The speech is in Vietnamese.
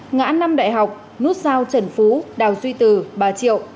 ngã năm đại học nút sao trần phú đào duy từ bà triệu